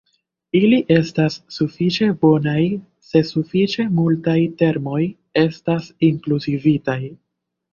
Ili estas sufiĉe bonaj se sufiĉe multaj termoj estas inkluzivitaj.